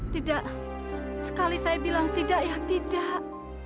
tidak sekali saya bilang tidak ya tidak